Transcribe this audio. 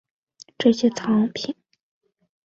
这些藏品绝大部分为清宫旧藏的传世作品。